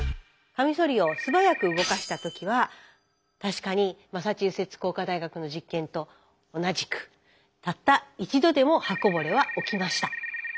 カミソリを素早く動かした時は確かにマサチューセッツ工科大学の実験と同じくたった一度でも刃こぼれは起きました。